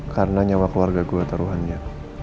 karena nyawa keluarga gue teruhannya